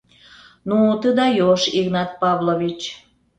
— Ну, ты даёшь, Игнат Павлович!